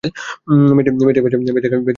মেয়েটির পাশে ভেজা-কাপড়ে নিজাম সাহেব।